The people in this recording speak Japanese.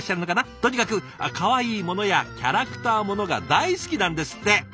とにかくかわいいものやキャラクターものが大好きなんですって。